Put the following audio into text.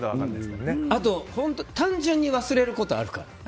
あと単純に忘れることがあるから。